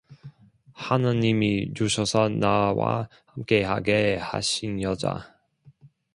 하나님이 주셔서 나와 함께하게 하신 여자